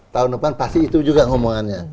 tahun depan pasti itu juga ngomongannya